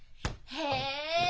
へえ！